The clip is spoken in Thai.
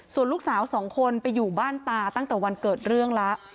ส่วนลูกสาวสองคนไปอยู่บ้านตาตั้งแต่วันเกิดเรื่องแล้ว